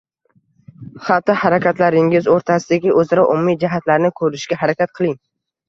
Xatti-harakatlaringiz o‘rtasidagi o‘zaro umumiy jihatlarni ko‘rishga harakat qiling.